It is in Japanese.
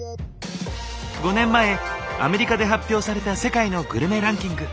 ５年前アメリカで発表された世界のグルメランキング。